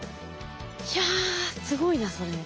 いやすごいなそれ。